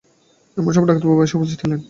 এমন সময় ডাক্তারবাবু আসিয়া উপস্থিত হইলেন।